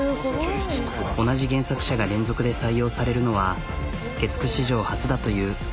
同じ原作者が連続で採用されるのは月９史上初だという。